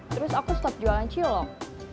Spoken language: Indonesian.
terus aku stop jualan cilok